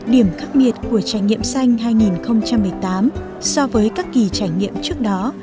điểm khác biệt của trải nghiệm xanh hai nghìn một mươi tám so với các kỳ trải nghiệm trước đó